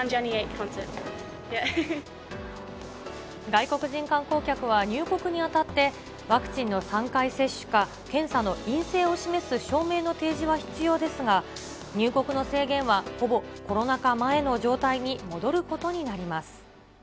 外国人観光客は入国にあたって、ワクチンの３回接種か、検査の陰性を示す証明の提示は必要ですが、入国の制限はほぼコロナ禍前の状態に戻ることになります。